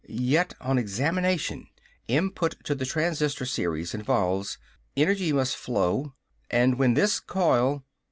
Yet on examination ... input to the transistor series involves ... energy must flow ... and when this coil...."